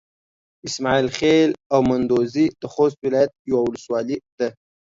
اسماعيل خېل او مندوزي د خوست ولايت يوه ولسوالي ده.